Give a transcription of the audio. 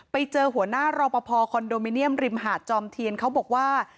ไปเจอหัวหน้ารอปภคอนโดมิเนียมริมหาดจอมเทียนเขาบอกว่า